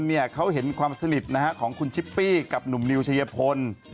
หลังที่หลายคนเขาเห็นความสนิทของคุณชิปปี้กับหนุ่มนิวเชยพน